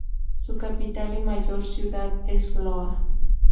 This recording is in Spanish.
Su capital y mayor ciudad es Loa.